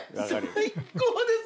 最高です！